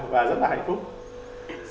và rất là hạnh phúc